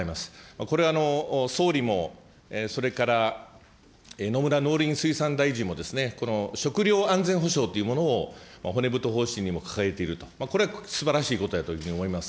これ、総理もそれから野村農林水産大臣も食料安全保障というものを、骨太方針にも掲げていると、これはすばらしいことだというふうに思います。